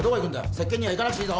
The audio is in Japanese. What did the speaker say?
接見には行かなくていいぞ